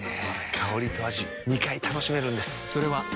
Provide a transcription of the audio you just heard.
香りと味２回楽しめるんです。